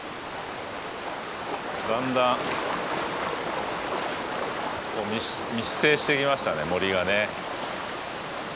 だんだん密生してきましたね森がね。